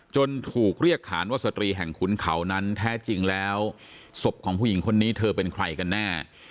ถูกเรียกขานว่าสตรีแห่งขุนเขานั้นแท้จริงแล้วศพของผู้หญิงคนนี้เธอเป็นใครกันแน่